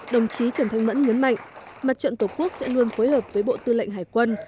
đồng chí trần thanh mẫn nhấn mạnh mặt trận tổ quốc sẽ luôn phối hợp với bộ tư lệnh hải quân